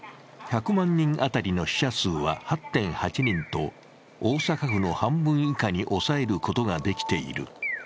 １００万人当たりの死者数は８．８人と大阪府の半分以下に抑えることができている。